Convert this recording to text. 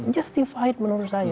justified menurut saya